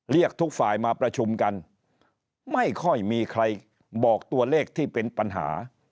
เรียกทุกฝ่ายมาประชุมกันไม่ค่อยมีใครบอกตัวเลขที่เป็นปัญหา